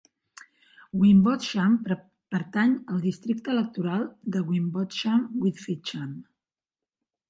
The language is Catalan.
Wimbotsham pertany al districte electoral de Wimbotsham with Fincham.